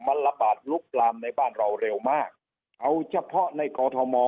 มันระบาดลุกลามในบ้านเราเร็วมากเอาเฉพาะในกอทม